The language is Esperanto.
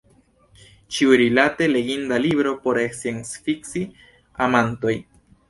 Ĉiurilate: leginda libro, por sciencfikci-amantoj.